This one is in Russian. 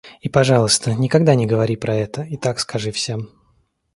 И, пожалуйста, никогда не говори про это и так скажи всем.